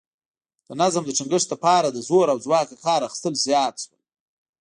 د نظم د ټینګښت لپاره له زور او ځواکه کار اخیستل زیات شول